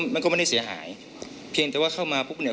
มันก็ไม่ได้เสียหาย